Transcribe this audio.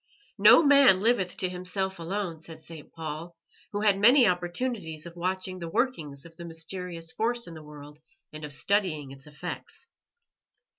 "No man liveth to himself alone," said St. Paul, who had many opportunities of watching the workings of that mysterious force in the world and of studying its effects.